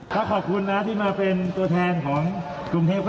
ก็ขอบคุณนะที่มาเป็นตัวแทนของกรุงเทพ